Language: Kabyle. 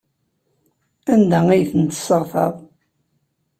Anda ay ten-tesseɣtaḍ?